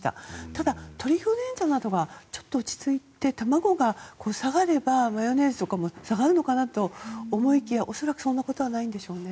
ただ、鳥インフルエンザなどはちょっと落ち着いて卵が下がればマヨネーズとかも下がるのかなと思いきや恐らくそんなことはないんでしょうね。